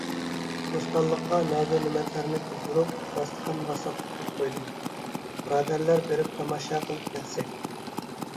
بوستانلىققا نازۇنېمەتلەرنى تىزدۇرۇپ، داستىخان راسلاتقۇزۇپ قويدۇم. بۇرادەرلەر، بېرىپ تاماشا قىلىپ كەلسەك.